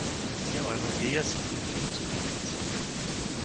Wir Europäer sind hier viel zu defensiv.